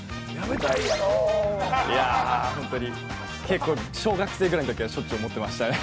結構小学生ぐらいのときはしょっちゅう思ってましたね。